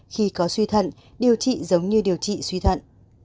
khi có suy thận điều trị giống như điều trị suy thận